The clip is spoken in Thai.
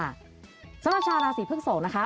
สำหรับชาวราศีพฤกษกนะคะ